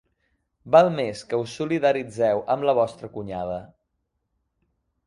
Val més que us solidaritzeu amb la vostra cunyada.